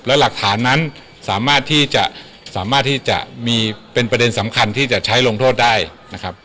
และหลักฐานนั้นสามารถที่จะสามารถที่จะมีเป็นประเด็นสำคัญที่จะใช้ลงโทษได้นะครับ